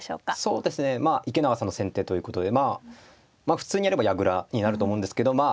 そうですねまあ池永さんの先手ということでまあ普通にやれば矢倉になると思うんですけどまあ